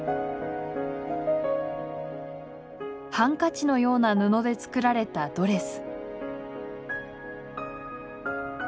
ハンカチのような布で作られたドレス。